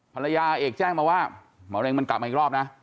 ภรรยาเอกแจ้งมาว่ามะเร็งมันกลับมาอีกรอบนะ